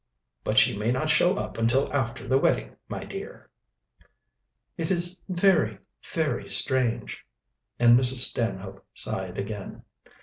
But she may not show up until after the wedding, my dear." "It is very, very strange," and Mrs. Stanhope sighed again.